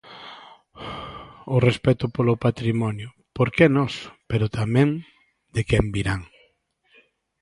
O respecto polo patrimonio Porque é noso, pero tamén de quen virán.